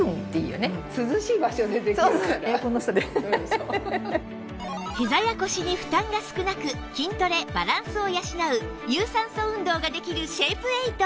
先ほどひざや腰に負担が少なく「筋トレ」「バランスを養う」「有酸素運動」ができるシェイプエイト